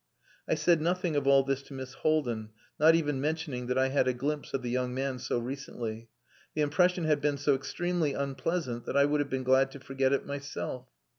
I said nothing of all this to Miss Haldin, not even mentioning that I had a glimpse of the young man so recently. The impression had been so extremely unpleasant that I would have been glad to forget it myself.